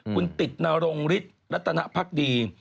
คุณติดนรงฤทธิ์รัตนภักดี